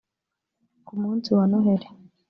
Ku munsi wa Noheli